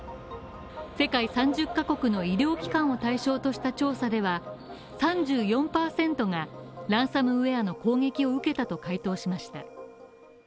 世界３０ヶ国の医療機関を対象とした調査では３４％がランサムウェアの攻撃を受けたと回答しました。